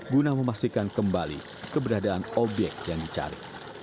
guna memastikan kembali keberadaan obyek yang dicari